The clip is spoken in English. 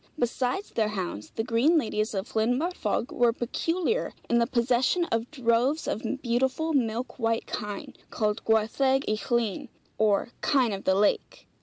Besides their hounds, the green ladies of Llyn Barfog were peculiar in the possession of droves of beautiful milk white kine, called Gwartheg y Llyn, or kine of the lake.